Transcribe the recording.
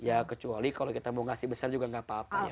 ya kecuali kalau kita mau ngasih besar juga nggak apa apa ya